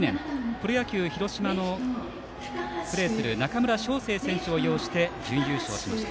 プロ野球広島でプレーする中村奨成選手を擁して準優勝しました。